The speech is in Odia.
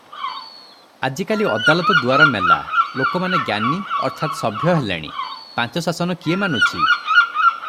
ଆଜିକାଲି ଅଦାଲତ ଦୁଆର ମେଲା, ଲୋକମାନେ ଜ୍ଞାନୀ ଅର୍ଥାତ୍ ସଭ୍ୟ ହେଲେଣି, ପାଞ୍ଚଶାସନ କିଏ ମାନୁଛି?